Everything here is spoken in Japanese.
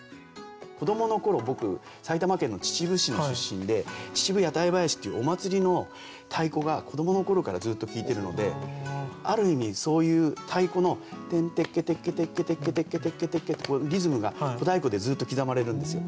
子どもの頃僕埼玉県の秩父市の出身で秩父屋台囃子っていうお祭りの太鼓が子どもの頃からずっと聴いてるのである意味そういう太鼓の「テンテケテケテケテケテケテケテケ」ってこういうリズムが小太鼓でずっと刻まれるんですよ。